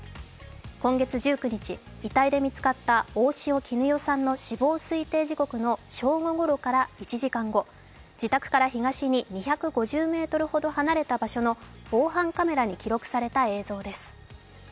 今月１９日遺体で見つかった大塩衣与さんの死亡推定時刻の正午ごろから１時間後自宅から東に２５０ｍほど離れた場所の防犯カメラに記録された映像です。